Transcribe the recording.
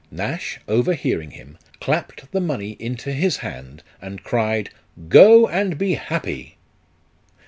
" Nash, overhearing him, clapped the money into his hand ; and cried, " Go and be happy."